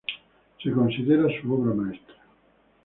Se considera su obra maestra.